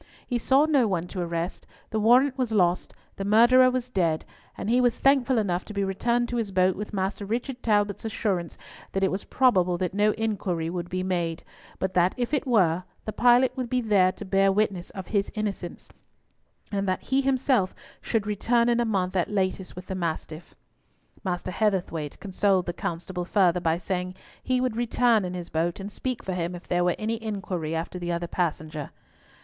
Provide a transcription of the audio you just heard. He saw no one to arrest, the warrant was lost, the murderer was dead, and he was thankful enough to be returned to his boat with Master Richard Talbot's assurance that it was probable that no inquiry would be made, but that if it were, the pilot would be there to bear witness of his innocence, and that he himself should return in a month at latest with the Mastiff. Master Heatherthwayte consoled the constable further by saying he would return in his boat, and speak for him if there were any inquiry after the other passenger.